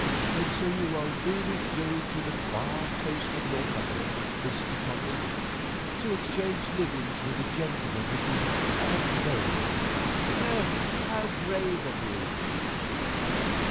"And so you are really going to the far coast of Northumberland, Mr. Tomley, to exchange livings with the gentleman with the odd name? How brave of you!"